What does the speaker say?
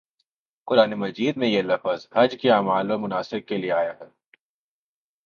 قرآنِ مجید میں یہ لفظ حج کے اعمال و مناسک کے لیے آیا ہے